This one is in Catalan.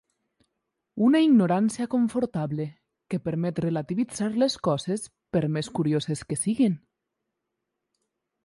Una ignorància confortable, que permet relativitzar les coses, per més curioses que siguin.